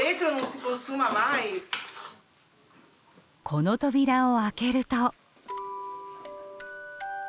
この扉を開けると。